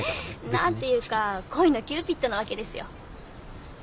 何ていうか恋のキューピッドなわけですよ。